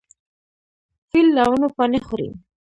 فیل له ونو پاڼې خوري.